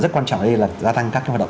rất quan trọng đây là gia tăng các hoạt động